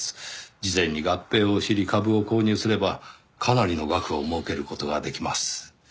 事前に合併を知り株を購入すればかなりの額を儲ける事ができます。